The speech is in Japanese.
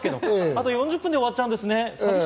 あと４０分で終わっちゃうんですね。